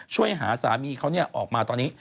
ช่วยหาสามีเขาออกมาตอนนี้